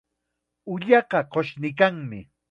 Ullaqa qushniykanmi.